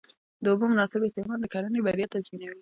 د اوبو مناسب استعمال د کرنې بریا تضمینوي.